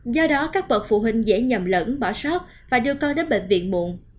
do đó các bậc phụ huynh dễ nhầm lẫn bỏ sót và đưa con đến bệnh viện muộn